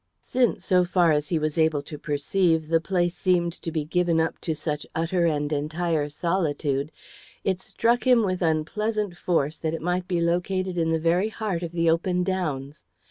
Since, so far as he was able to perceive, the place seemed to be given up to such utter and entire solitude, it struck him with unpleasant force that it might be located in the very heart of the open Downs.